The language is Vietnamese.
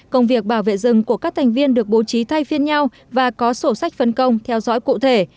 công việc bảo vệ rừng của các thành viên được bố trí thay phiên nhau và có sổ sách phân công theo dõi cụ thể